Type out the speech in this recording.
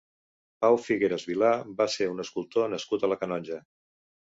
Pau Figueras Vilà va ser un escultor nascut a la Canonja.